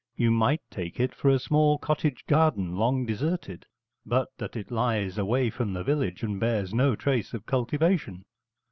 You might take it for a small cottage garden long deserted, but that it lies away from the village and bears no trace of cultivation.